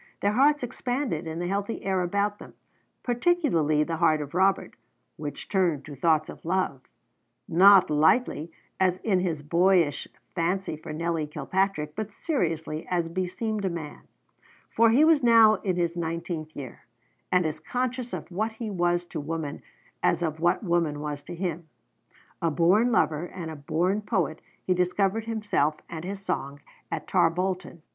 Their hearts expanded in the healthy air about them, particularly the heart of Robert, which turned to thoughts of love, not lightly, as in his boyish fancy for Nelly Kilpatrick, but seriously, as beseemed a man; for he was now in his nineteenth year, and as conscious of what he was to woman as of what woman was to him. A born lover, and a born poet, he discovered himself and his song at Tarbolton.